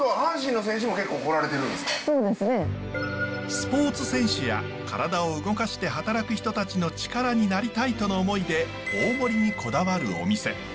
スポーツ選手や体を動かして働く人たちの力になりたいとの思いで大盛りにこだわるお店。